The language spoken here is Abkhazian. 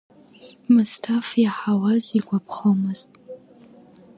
Мысҭаф иаҳауаз игәаԥхомызт.